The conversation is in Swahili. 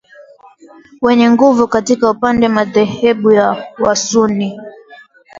yenye nguvu katika upande madhehebu ya wasunni